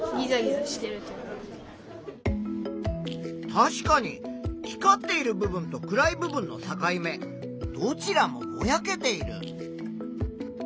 確かに光っている部分と暗い部分の境目どちらもぼやけている。